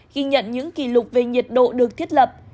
ghi nhận những kỷ lục về nhiệt độ được thiết lập